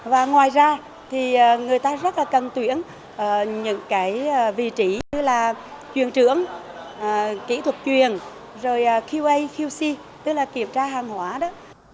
và ngoài ra thì người ta rất là cần tuyển những cái vị trí như là truyền trưởng kỹ thuật truyền rồi qaqc tức là kiểm tra hàng hóa đó